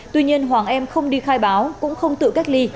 tuy nhiên hoàng em không đi khai báo cũng không tự cách ly